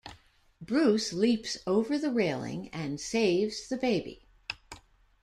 Bruce leaps over the railing and saves the baby.